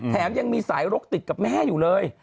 แถมยังมีสายรกติดกับแม่อยู่เลย